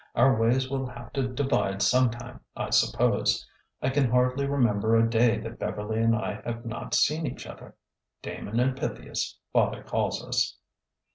Our ways will have to divide sometime, I suppose. I can hardly remember a day that Beverly and I have not seen each other —^ Damon and Pythias,' father calls us."